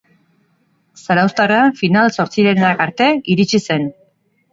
Zarauztarra final-zortzirenak arte iritsi zen.